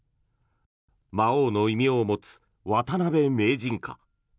魔王の異名を持つ、渡辺名人か。